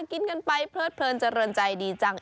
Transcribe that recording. กินกันไปเพลิดเพลินเจริญใจดีจัง